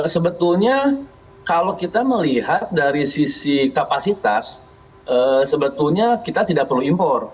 sebetulnya kalau kita melihat dari sisi kapasitas sebetulnya kita tidak perlu impor